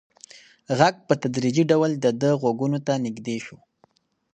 غږ په تدریجي ډول د ده غوږونو ته نږدې شو.